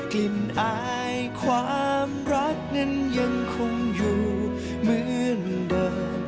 กินอายความรักนั้นยังคงอยู่เหมือนเดิม